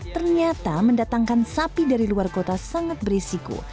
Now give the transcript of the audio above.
ternyata mendatangkan sapi dari luar kota sangat berisiko